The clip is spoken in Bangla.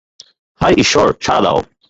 হায় ঈশ্বর, সাড়া দাও।